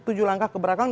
tujuh langkah keberakangan